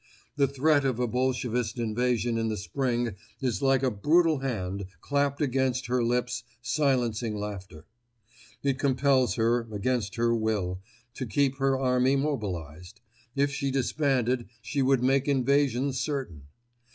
The threat of a Bolshevist invasion in the spring is like a brutal hand, clapped against her lips, silencing laughter. It compels her, against her will, to keep her army mobilised; if she disbanded, she would make invasion certain.